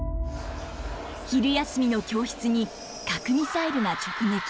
昼休みの教室に核ミサイルが直撃。